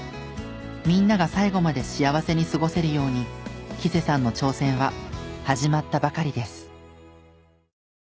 みんなが最後まで幸せに過ごせるように黄瀬さんの挑戦は始まったばかりです。